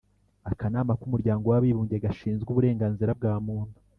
Akanama k’umuryango w’Abibumbye gashinzwe uburenganzira bwa Muntu